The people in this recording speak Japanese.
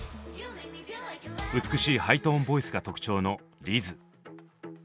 美しいハイトーンボイスが特徴のリズ。